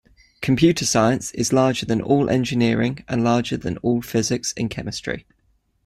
Computer science is larger than all engineering, and larger than all physics and chemistry.